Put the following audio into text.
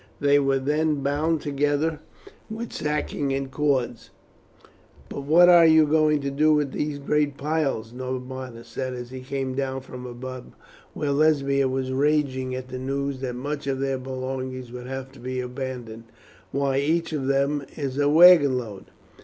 They were then bound together with sacking and cords. "But what are you going to do with these great piles?" Norbanus said as he came down from above, where Lesbia was raging at the news that much of their belongings would have to be abandoned. "Why, each of them is a wagon load."